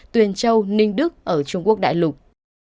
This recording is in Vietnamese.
tuyền châu ninh đức ở trung quốc đại lục